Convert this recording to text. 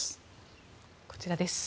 こちらです。